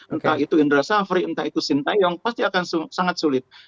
entah itu indra safri entah itu sintayong pasti akan sangat sulit